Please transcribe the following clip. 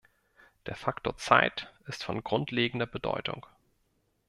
Der Faktor Zeit ist von grundlegender Bedeutung.